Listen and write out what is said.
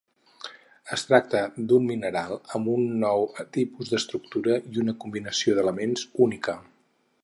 Es tracta d'un mineral amb un nou tipus d'estructura i una combinació d'elements única.